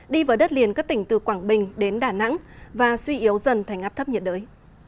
đi vào đất liền các tỉnh từ quảng bình đến đà nẵng và suy yếu dần thành áp thấp nhiệt đới